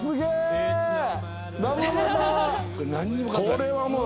これはもう。